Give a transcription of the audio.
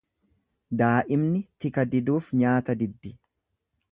Daa'imni tika diduuf nyaata diddi.